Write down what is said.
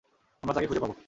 আমরা তাকে খুঁজে পাব।